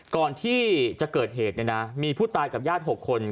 ก่อนที่จะเกิดเหตุเนี่ยนะมีผู้ตายกับญาติ๖คน